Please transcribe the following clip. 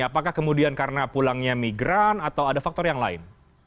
apakah kemudian karena pulangnya migran atau ada faktor yang lain